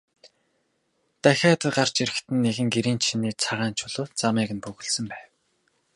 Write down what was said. Дахиад гарч ирэхэд нь нэгэн гэрийн чинээ цагаан чулуу замыг нь бөглөсөн байв.